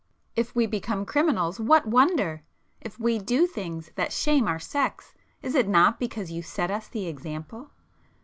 If we become criminals, what wonder! If we do things that shame our sex, is it not because you set us the example?